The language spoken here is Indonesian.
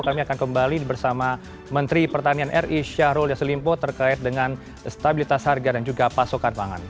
kami akan kembali bersama menteri pertanian ri syahrul yassin limpo terkait dengan stabilitas harga dan juga pasokan pangan